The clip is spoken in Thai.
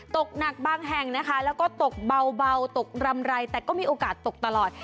ตกหนักบางแห่งนะคะแล้วก็ตกเบาตกรำไรแต่ก็มีโอกาสตกตลอด